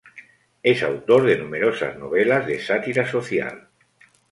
Es autor de numerosas novelas de sátira social.